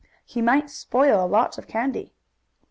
He might spoil a lot of candy.